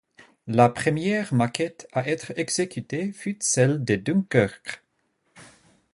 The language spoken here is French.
La première maquette à être exécutée fut celle de Dunkerque.